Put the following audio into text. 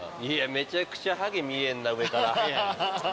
めちゃくちゃはげ見えんな上から。